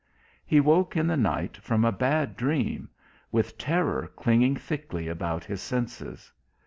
He woke in the night from a bad dream with terror clinging thickly about his senses.